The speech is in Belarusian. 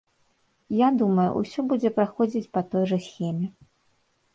Я думаю, усё будзе праходзіць па той жа схеме.